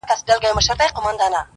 نغمه راغبرګه کړله-